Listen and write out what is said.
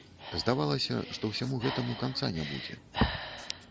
Здавалася, што ўсяму гэтаму канца не будзе.